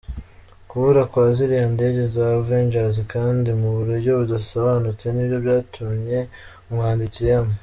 Kubura kwa ziriya ndege za Avengers kandi mu buryo budasobanutse nibyo byatumye umwanditsi M.